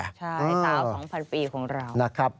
ใช่สาว๒๐๐๐ปีของเรา